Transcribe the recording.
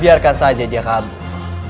biarkan saja dia kabur